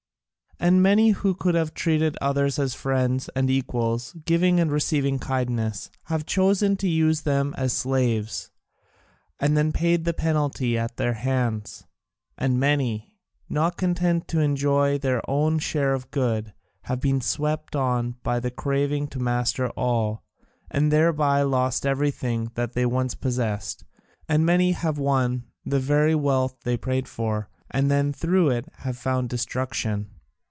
And many who could have treated others as friends and equals, giving and receiving kindnesses, have chosen to use them as slaves, and then paid the penalty at their hands; and many, not content to enjoy their own share of good, have been swept on by the craving to master all, and thereby lost everything that they once possessed; and many have won the very wealth they prayed for and through it have found destruction.